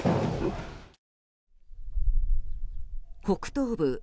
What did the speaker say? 北東部